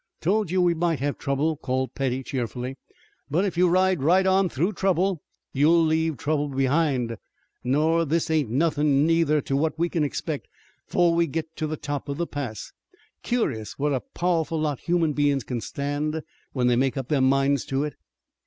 "Told you we might have trouble," called Petty, cheerfully, "but if you ride right on through trouble you'll leave trouble behind. Nor this ain't nothin' either to what we kin expect before we git to the top of the pass. Cur'us what a pow'ful lot human bein's kin stand when they make up their minds to it."